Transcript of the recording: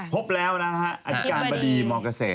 พบแล้วนะฮะอธิการบดีมเกษตร